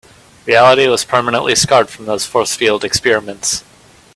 Reality was permanently scarred from those force field experiments.